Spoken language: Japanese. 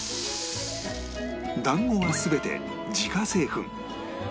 団子は全て自家製粉